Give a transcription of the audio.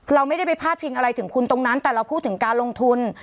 เราไม่ได้ไปพาดพิงอะไรถึงคุณตรงนั้นแต่เราพูดถึงการลงทุน